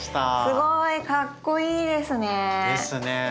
すごいかっこいいですね。ですね。